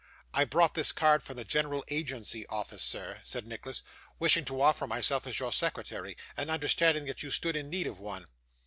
'I brought this card from the General Agency Office, sir,' said Nicholas, 'wishing to offer myself as your secretary, and understanding that you stood in need of one.